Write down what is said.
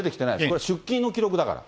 これは出金の記録だから。